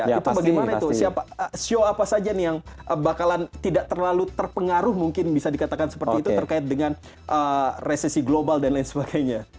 atau bagaimana itu show apa saja nih yang bakalan tidak terlalu terpengaruh mungkin bisa dikatakan seperti itu terkait dengan resesi global dan lain sebagainya